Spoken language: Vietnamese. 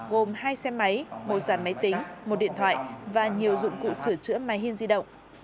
gồm hai xe máy một giàn máy tính một điện thoại và nhiều dụng cụ sửa chữa máy hiên di động